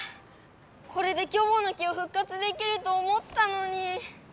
これでキョボの木を復活できると思ったのに！